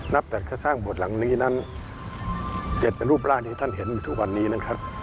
นับแต่แค่สร้างบทหลังนี้นั้น๗เป็นรูปร่างที่ท่านเห็นอยู่ทุกวันนี้นะครับ